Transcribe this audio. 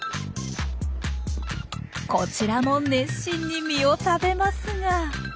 こちらも熱心に実を食べますが。